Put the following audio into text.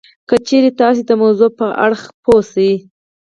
که چېرې تاسې د موضوع په هر اړخ پوه شئ